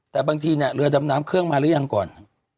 แต่บางทีเนี่ยเรือดำน้ำเครื่องมาหรือยังก่อน